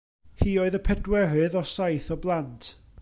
Hi oedd y pedwerydd o saith o blant.